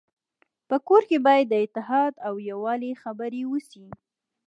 په کور کي باید د اتحاد او يووالي خبري وسي.